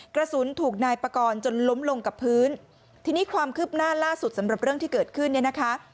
กระสุนถูกนายปกรณ์จนล้มลงกับพื้นที่นี่ความคืบหน้าสุดสำหรับเรื่องที่เกิดขึ้น